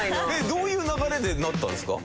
どういう流れでなったんですか？